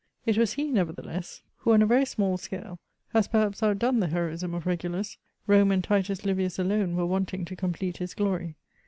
It was he, nevertheless, who, on a very 74 MEMOIRS OF small scale, has perhaps outdone ftie heroism of Regulus, Rome and Titus Liyius alone were wanting to complete his glory.